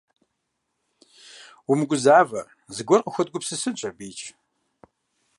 Умыгузавэ, зыгуэр къыхуэдгупсысынщ абыикӏ.